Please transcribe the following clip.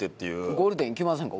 ゴールデンいきませんか？